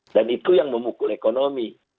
dan itu yang memukul ekonomi